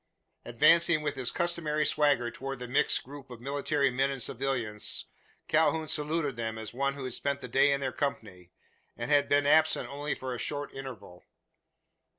Advancing with his customary swagger towards the mixed group of military men and civilians, Calhoun saluted them as one who had spent the day in their company, and had been absent only for a short interval.